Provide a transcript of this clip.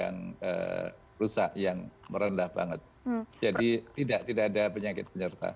yang rusak yang merendah banget jadi tidak tidak ada penyakit penyerta